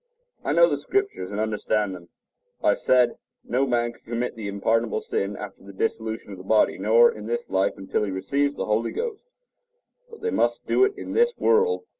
I know the Scriptures and understand them. I said, no man can commit the unpardonable sin after the dissolution of the body, nor in this life, until he receives the Holy Ghost but they must do it in this world.